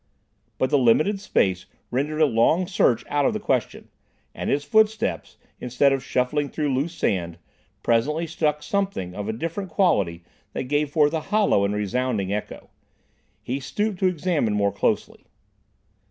But the limited space rendered a long search out of the question, and his footsteps, instead of shuffling through loose sand, presently struck something of a different quality that gave forth a hollow and resounding echo. He stooped to examine more closely.